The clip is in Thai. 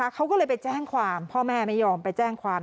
เขาก็เลยไปแจ้งความพ่อแม่ไม่ยอมไปแจ้งความ